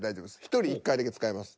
１人１回だけ使えます。